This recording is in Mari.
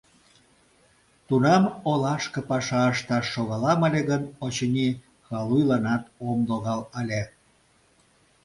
Тунам олашке паша ышташ шогалам ыле гын, очыни, халуйланат ом логал ыле.